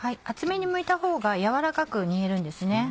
厚めにむいたほうが軟らかく煮えるんですね。